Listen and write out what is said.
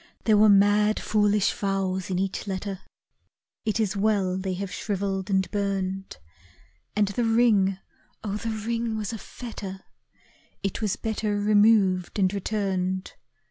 There were mad foolish vows in each letter, It is well they have shrivelled and burned, And the ring! oh, the ring was a fetter, It was better removed and returned.